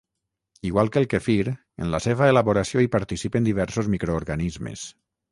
Igual que el quefir, en la seva elaboració hi participen diversos microorganismes.